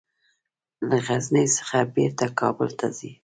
له غزني څخه بیرته کابل ته ځي.